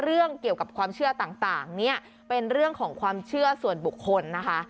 เรื่องเกี่ยวกับความเชื่อต่างเนี่ยเป็นเรื่องของความเชื่อส่วนบุคคลนะคะ